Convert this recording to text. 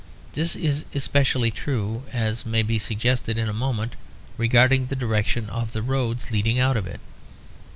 This is especially true, as may be suggested in a moment, regarding the direction of the roads leading out of it.